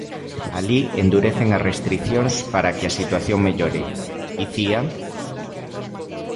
Alí endurecen as restricións para que a situación mellore, Icía?